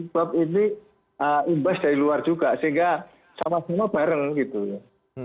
sebab ini imbas dari luar juga sehingga sama sama bareng gitu ya